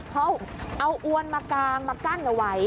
เขาเอาอวนมากางมากั้นเอาไว้